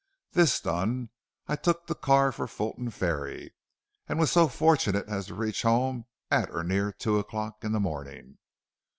This done, I took the car for Fulton Ferry, and was so fortunate as to reach home at or near two o'clock in the morning.